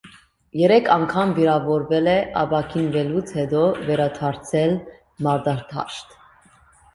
Երեք անգամ վիրավորվել է, ապաքինվելուց հետո վերադարձել մարտադաշտ։